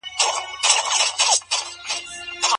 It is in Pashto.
هرات بې سوداګرۍ نه دی.